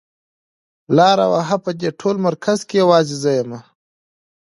لار وهه په دې ټول مرکز کې يوازې زه يم.